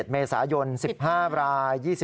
๑เมษายน๑๕ราย